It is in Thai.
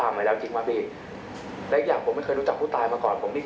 พี่รู้ไม่รู้จักว่าพี่มาด่าผมไม่เป๋อยู่ดีพี่มาถามว่าไม่เป๋